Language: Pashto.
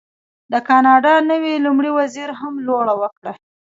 د کاناډا نوي لومړي وزیر هم لوړه وکړه.